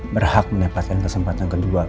berhak mendapatkan kesempatan kedua